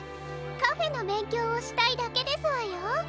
カフェのべんきょうをしたいだけですわよ。